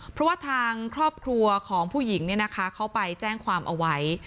เพราะว่าทางครอบครัวของผู้หญิงเนี่ยนะคะเขาไปแจ้งความเอาไว้